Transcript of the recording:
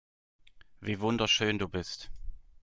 Wie wunderschön du bist.